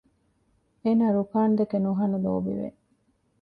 އޭނާ ރުކާންދެކެ ނުހަނު ލޯބިވެ